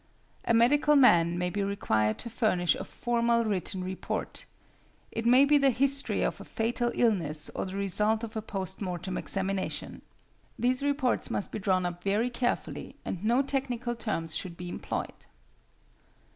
A medical man may be required to furnish a formal written report. It may be the history of a fatal illness or the result of a post mortem examination. These reports must be drawn up very carefully, and no technical terms should be employed.